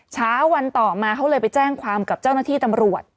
เช้าวันต่อมาเขาเลยไปแจ้งความกับเจ้าหน้าที่ตำรวจ